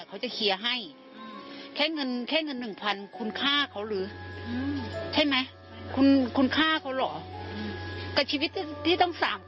ประหารชีวิต